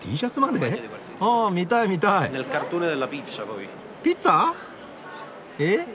あ見たい見たい！ピッツァ？え？